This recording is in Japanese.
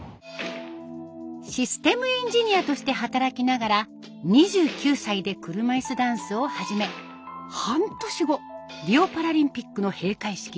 システムエンジニアとして働きながら２９歳で車椅子ダンスを始め半年後リオパラリンピックの閉会式